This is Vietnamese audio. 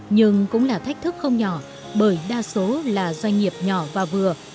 nhưng cũng là thách thức không nhỏ bởi đa số là doanh nghiệp nhỏ và vừa